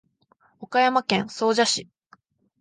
岡山県総社市